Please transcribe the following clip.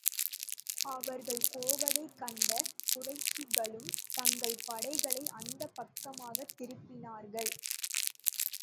அவர்கள் போவதைக் கண்ட குறைஷிகளும் தங்கள் படைகளை அந்தப் பக்கமாகத் திருப்பினார்கள்.